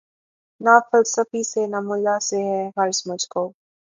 نہ فلسفی سے نہ ملا سے ہے غرض مجھ کو